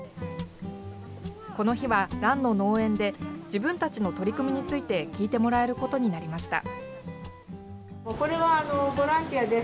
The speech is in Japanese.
この日はランの農園で自分たちの取り組みについて聞いてもらえることになりました。